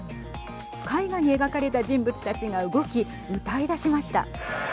絵画に描かれた人物たちが動き、歌いだしました。